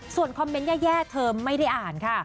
ส่วนคอมเมนต์แย่เธอไม่ได้อ่านค่ะ